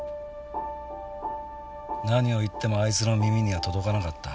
何を言ってもあいつの耳には届かなかった。